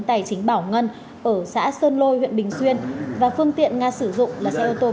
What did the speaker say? tài chính bảo ngân ở xã sơn lôi huyện bình xuyên và phương tiện nga sử dụng là xe ô tô